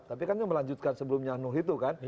tapi kan ini melanjutkan sebelumnya anuh itu kan